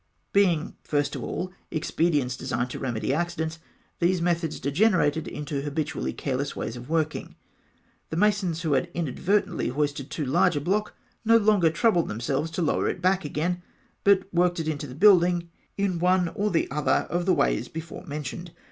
Being first of all expedients designed to remedy accidents, these methods degenerated into habitually careless ways of working. The masons who had inadvertently hoisted too large a block, no longer troubled themselves to lower it back again, but worked it into the building in one or other of the ways before mentioned.